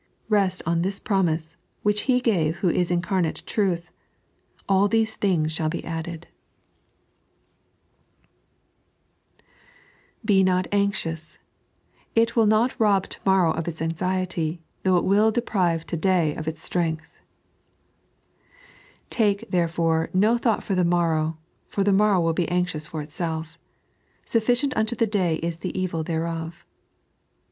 Kest on this promise, which He gave who is incarnate truth :" All these things shall be added." 3.n.iized by Google "SUPPICIBHT UKTO THE DaT." 163 Bs HOT Anxious : it wiU not Rob to momno of its Anxiety, th&ugh it loVi deprive to day of its Strength. "Take, therefore, no thought for the morrow, for the morrow will be anxious for itself. Sufficient unto the day is the evil thereof."